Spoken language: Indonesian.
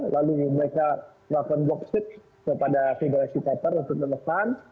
lalu mereka melakukan work shift kepada federasi qatar untuk menemukan